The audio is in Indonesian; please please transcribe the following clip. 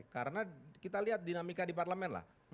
karena kita lihat dinamika di parlemen lah